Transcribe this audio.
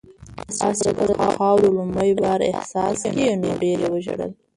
آس چې کله د خاورو لومړی بار احساس کړ نو ډېر یې وژړل.